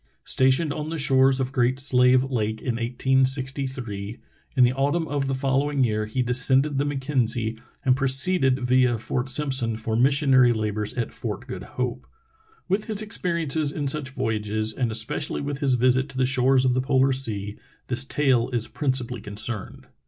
Stationed on the shores of Great Slave Lake in 1863, in the autumn of the following year he descended the Mackenzie and proceeded via Fort Simpson for mis sionary labors at Fort Good Hope. With his experi ences in such voyages, and especially with his visit to the shores of the polar sea, this tale is principally con cerned.